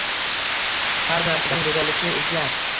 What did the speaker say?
Har narsadan go‘zallikni izla.